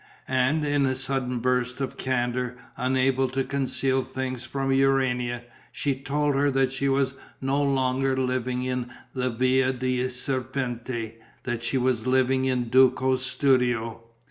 And, in a sudden burst of candour, unable to conceal things from Urania, she told her that she was no longer living in the Via dei Serpenti, that she was living in Duco's studio.